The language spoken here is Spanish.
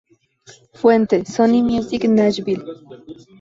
Fuente: Sony Music Nashville